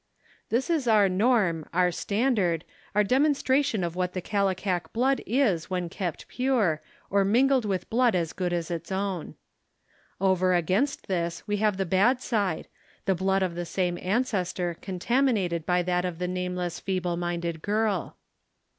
This is our norm, our standard, our demonstration of what the Kallikak blood is when kept pure, or mingled with blood as good as its own. Over against this we have the bad side, the blood of WHAT IT MEANS 69 the same ancestor contaminated by that of the name less feeble minded girl.